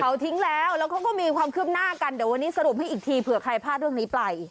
เขาทิ้งแล้วแล้วเขาก็มีความคืบหน้ากันเดี๋ยววันนี้สรุปให้อีกทีเผื่อใครพลาดเรื่องนี้ไป